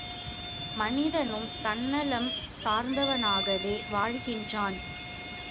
மனிதனும் தன்னலம் சார்ந்தவனாகவே வாழ்கின்றான்.